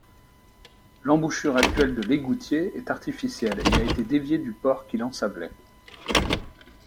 L'embouchure actuelle de l'Eygoutier est artificielle et a été dévié du port qu'il ensablait.